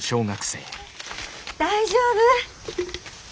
大丈夫？